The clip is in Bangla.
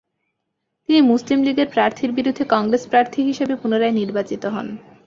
তিনি মুসলিম লীগের প্রার্থীর বিরুদ্ধে কংগ্রেস প্রার্থী হিসেবে পুনরায় নির্বাচিত হন।